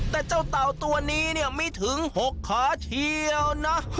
แต่เจ้าเต่าตัวนี้เนี่ยมีถึง๖ขาเทียวนะ